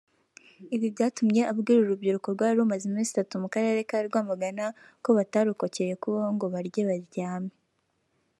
Ibi byatumye abwira urubyiruko rwari rumaze iminsi itatu mu Karere ka Rwamagana ko batarokokeye kubaho ngo barye baryame